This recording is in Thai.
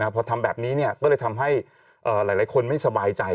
พอทำแบบนี้ก็เลยทำให้หลายคนไม่สบายใจ